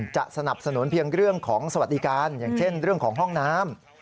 จะสนับสนุนเพียงเรื่องของสวัสดิการอย่างเช่นเรื่องของห้องน้ำ